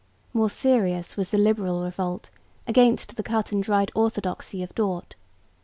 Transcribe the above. More serious was the liberal revolt against the cut and dried orthodoxy of Dort.